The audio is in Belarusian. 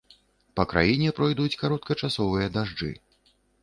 Па краіне пройдуць кароткачасовыя дажджы.